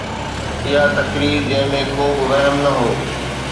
اها تقرير جنهن ۾ ڪو به وهم نه هو.